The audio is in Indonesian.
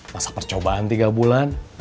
masa percobaan tiga bulan